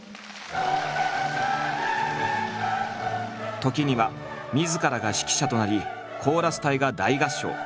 時にはみずからが指揮者となりコーラス隊が大合唱。